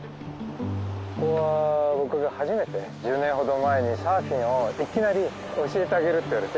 ここは僕が初めて１０年ほど前にサーフィンをいきなり教えてあげるって言われて。